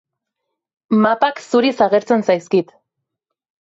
Mapak zuriz agertzen zaizkit.